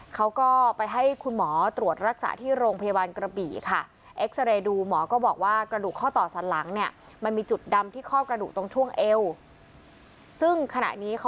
เขาก็ไปให้คุณหมอตรวจรักษาที่โรงพยาบาลกระบี่ค่ะ